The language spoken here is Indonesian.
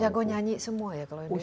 jago nyanyi semua ya kalau indonesia